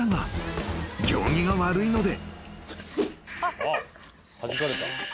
［行儀が悪いので］